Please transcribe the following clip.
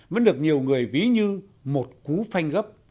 vẫn được nhiều người ví như một cú phanh gấp